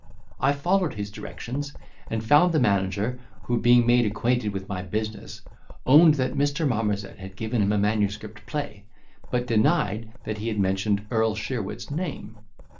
I followed his directions, and found the manager, who being made acquainted with my business, owned that Mr. Marmozet had given him a manuscript play, but denied that he had mentioned Earl Sheerwit's name.